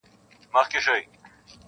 كوم شېرشاه توره ايستلې ځي سسرام ته-